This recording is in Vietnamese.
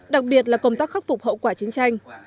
đặc biệt là công tác khắc phục hậu quả chiến tranh